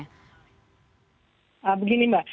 ya begini mbak